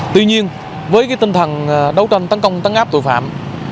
tuy nhiên với tinh thần đấu tranh tấn công tấn áp tội phạm